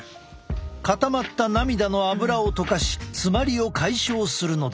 固まった涙のアブラを溶かし詰まりを解消するのだ。